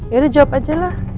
ya udah jawab aja lah